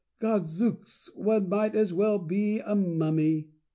Gadzooks, one might as well be a mummy!